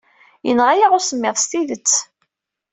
Yenɣa-aɣ usemmiḍ s tidet.